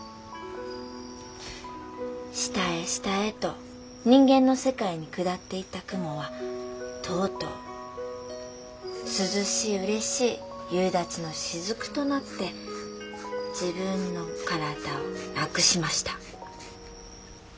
下へ下へと人間の世界に下っていった雲はとうとう涼しいうれしい夕立の滴となって自分の体をなくしました」。